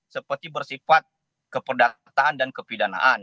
seperti bersifat keperdataan dan kepidanaan